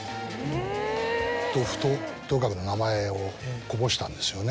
ふと豊川君の名前をこぼしたんですよね。